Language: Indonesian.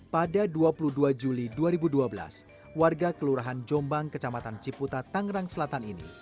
pada dua puluh dua juli dua ribu dua belas warga kelurahan jombang kecamatan ciputa tangerang selatan ini